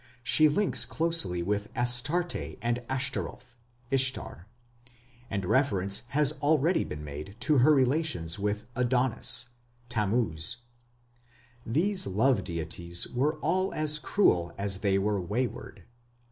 She links closely with Astarte and Ashtoreth (Ishtar), and reference has already been made to her relations with Adonis (Tammuz). These love deities were all as cruel as they were wayward.